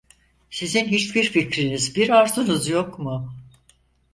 Sizin hiçbir fikriniz, bir arzunuz yok mu?